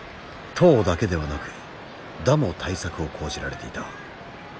投だけではなく打も対策を講じられていた。